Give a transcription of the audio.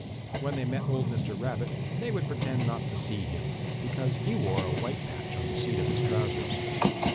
When they met old Mr. Rabbit they would pretend not to see him, because he wore a white patch on the seat of his trousers.